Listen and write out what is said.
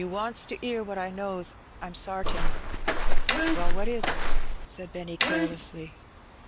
Ill '^ Yer wants to ^ear what I knows, Fm sartin/^ '^Well! what is it?^' said Benny, carelessly.